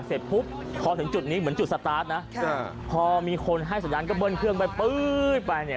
เสร็จปุ๊บพอถึงจุดนี้เหมือนจุดสตาร์ทนะพอมีคนให้สัญญาณก็เบิ้ลเครื่องไปปื๊ดไปเนี่ย